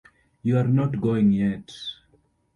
You are not going yet.